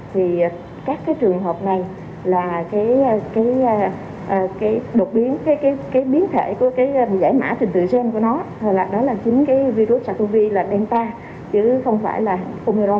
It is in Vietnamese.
thì các trường hợp này là cái biến thể của cái giải mã trình tự gen của nó đó là chính cái virus satovi là delta chứ không phải là omicron